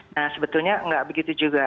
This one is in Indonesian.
nah sebetulnya nggak begitu juga